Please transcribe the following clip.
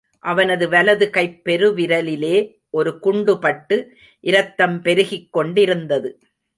அவனது வலது கைப் பெருவிரலிலே ஒரு குண்டுபட்டு இரத்தம் பெருகிக் கொண்டிருந்தது.